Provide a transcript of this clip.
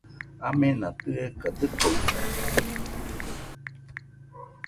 Amena tɨeka dɨkoɨsite